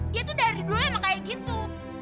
dia tuh dari dulu emang kayak gitu